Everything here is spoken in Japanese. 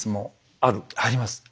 あります。